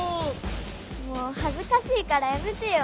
もう恥ずかしいからやめてよ。